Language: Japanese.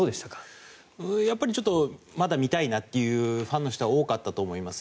やっぱりちょっとまだ見たいなというファンの人は多かったと思います。